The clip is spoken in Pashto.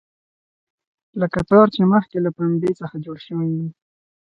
لکه تار چې مخکې له پنبې څخه جوړ شوی وي.